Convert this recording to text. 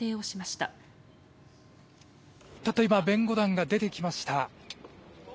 たった今弁護団が出てきました。